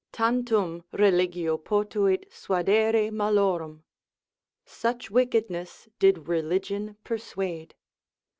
Tantum religio potuit suadere malorum. Such wickedness did religion persuade.